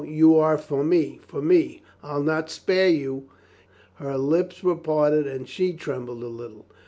You are for me, for me. I'll not spare you." Her lips were parted, she trembled a little.